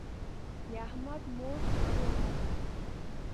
د احمد مور ناروغه ده.